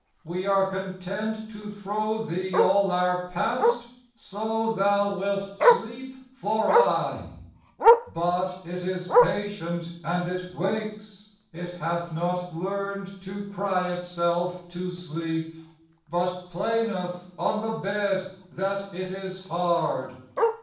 We are content To throw thee all our past, so thou wilt sleep For aye." But it is patient, and it wakes ; It hath not learned to cry itself to sleep, But plaineth on the bed that it is hard.